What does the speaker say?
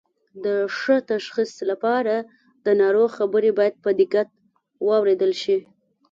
د ښه تشخیص لپاره د ناروغ خبرې باید په دقت واوریدل شي